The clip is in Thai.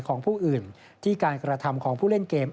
ของผู้อื่นที่การกระทำของผู้เล่นเกม